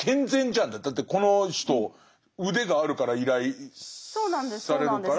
だってこの人腕があるから依頼されるから。